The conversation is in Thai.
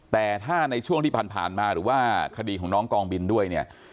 แต่ถ้าในช่วงที่ผ่านมาหรือว่าคดีของน้องกองบินด้วยเนี่ย